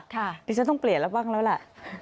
ดิฉันต้องเปลี่ยนแล้วบ้างแล้วแหละ